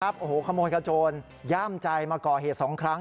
โอ้โหขโมยขโจนย่ามใจมาก่อเหตุ๒ครั้ง